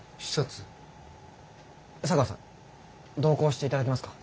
茶川さん同行していただけますか？